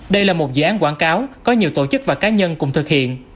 đây là một dự án quảng cáo có nhiều tổ chức và cá nhân cùng thực hiện